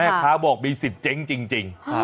เขาบอกมีสิทธิ์เจ๊งจริง